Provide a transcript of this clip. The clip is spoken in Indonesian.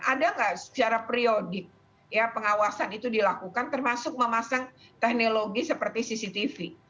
ada nggak secara periodik ya pengawasan itu dilakukan termasuk memasang teknologi seperti cctv